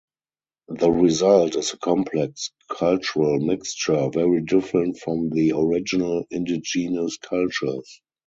The result is a complex cultural mixture very different from the original indigenous cultures.